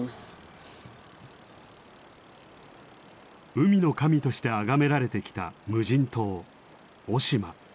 海の神として崇められてきた無人島雄島。